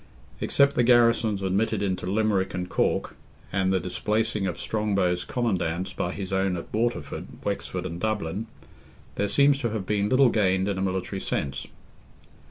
Except the garrisons admitted into Limerick and Cork, and the displacing of Strongbow's commandants by his own at Waterford, Wexford, and Dublin, there seems to have been little gained in a military sense.